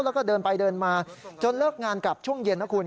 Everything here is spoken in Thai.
แล้วก็เดินไปเดินมาจนเลิกงานกลับช่วงเย็นนะคุณ